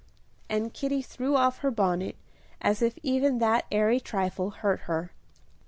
And Kitty threw off her bonnet, as if even that airy trifle hurt her.